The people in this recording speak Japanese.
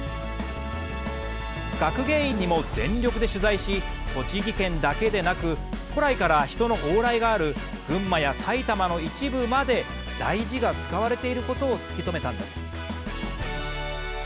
学芸員にも全力で取材し栃木県だけでなく古来から人の往来がある群馬や埼玉の一部までだいじが使われていることを突き止めたんです。